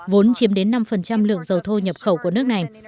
vốn chiếm đến năm lượng dầu thô nhập khẩu của nước này